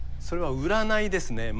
それは占いですね。